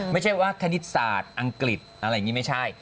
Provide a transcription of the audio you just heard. ไม่ใช่ว่าคณิตศาสตร์อังกฤษอะไรอย่างนี้ไม่ใช่